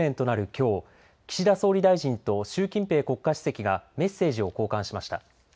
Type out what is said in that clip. きょう岸田総理大臣と習近平国家主席がメッセージを交換しました。